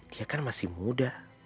dia kan masih muda